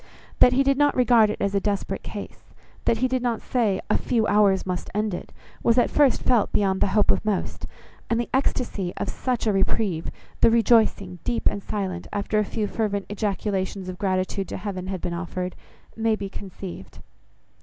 That he did not regard it as a desperate case, that he did not say a few hours must end it, was at first felt, beyond the hope of most; and the ecstasy of such a reprieve, the rejoicing, deep and silent, after a few fervent ejaculations of gratitude to Heaven had been offered, may be conceived.